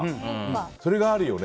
それがあるよね。